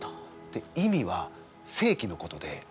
意味はせいきのことで。